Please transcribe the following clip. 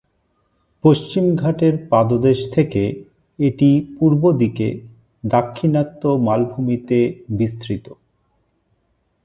পশ্চিম ঘাটের পাদদেশ থেকে এটি পূর্বদিকে দাক্ষিণাত্য মালভূমিতে বিস্তৃত।